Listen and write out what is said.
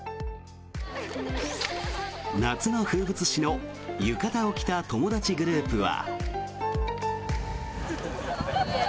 夏の風物詩の浴衣を着た友達グループは。